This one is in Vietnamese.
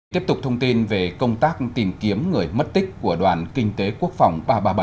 tiếp tục thông tin về công tác tìm kiếm người mất tích của đoàn kinh tế quốc phòng ba trăm ba mươi bảy